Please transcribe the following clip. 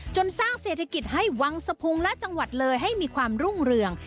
สร้างเศรษฐกิจให้วังสะพุงและจังหวัดเลยให้มีความรุ่งเรือง